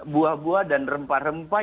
buah buah dan rempah rempah